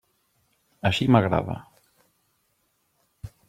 Així m'agrada.